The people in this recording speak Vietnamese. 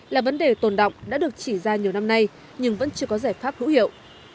là vấn đề tồn động đã được chỉ ra nhiều năm nay nhưng vẫn chưa có giải pháp hữu hiệu